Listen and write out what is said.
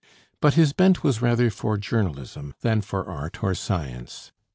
But his bent was rather for journalism than for art or science.